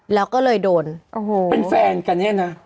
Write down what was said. แล้วก็เลยโดนโอ้โหเป็นแฟนกันเนี่ยนะ